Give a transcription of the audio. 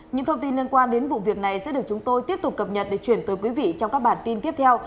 những thông tin liên quan đến vụ việc này sẽ được chúng tôi tiếp tục cập nhật để chuyển tới quý vị trong các bản tin tiếp theo